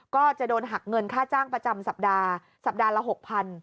ก็จะโดนหักเงินค่าจ้างประจำสัปดาห์สัปดาห์ละ๖๐๐